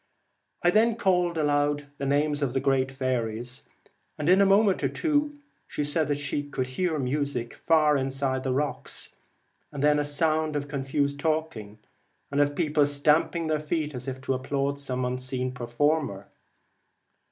I then called 91 The aloud the names of the great faeries, and in Celtic i ii Twilight, a moment or two she said that she could hear music far inside the rocks, and then a sound of confused talking, and of people stamping their feet as if to applaud some unseen performer.